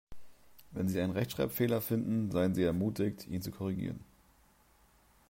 Wenn Sie einen Rechtschreibfehler finden, seien Sie ermutigt, ihn zu korrigieren.